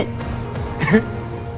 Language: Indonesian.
dulu kamu obatin aku